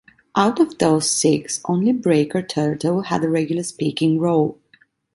Out of those six, only Braker Turtle had a regular speaking role.